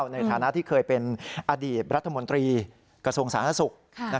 ในฐานะที่เคยเป็นอดีตรัฐมนตรีกระทรวงสาธารณสุข